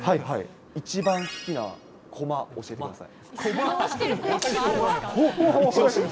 一番好きな駒、教えてください。